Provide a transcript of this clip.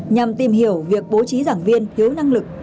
nhằm tìm hiểu việc bố trí giảng viên thiếu năng lực